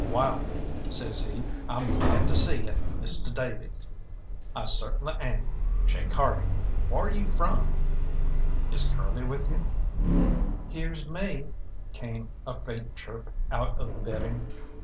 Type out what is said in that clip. "Wall," says he, "I'm glad to see ye, Misteh Davies, I certainly am shake hearty. Whar you from?" "Is Curly with you?" "Here's me," came a faint chirp out of the bedding.